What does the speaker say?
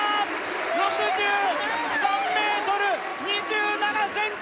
６３ｍ２７ｃｍ！